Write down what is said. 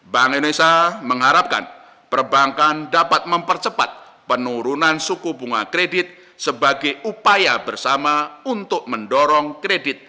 bank indonesia mengharapkan perbankan dapat mempercepat penurunan suku bunga kredit sebagai upaya bersama untuk mendorong kredit